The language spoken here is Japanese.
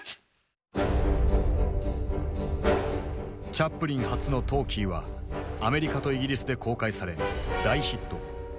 チャップリン初のトーキーはアメリカとイギリスで公開され大ヒット。